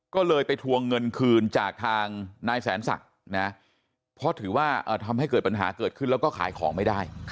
ก็เลยไปทวงเงินคืนจากทางนายแสนศักดิ์นะเพราะถือว่าทำให้เกิดปัญหาเกิดขึ้นแล้วก็ขายของไม่ได้